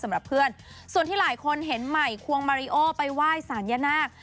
สำหรับเพื่อนส่วนที่หลายคนเห็นใหม่ควงมาริโอไปไหว้สารยนาค